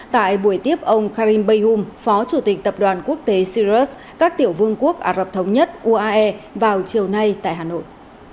tại buổi tiếp ông karim bayhum phó chủ tịch tập đoàn quốc tế sirus các tiểu vương quốc ả rập thống nhất uae vào chiều nay tại hà nội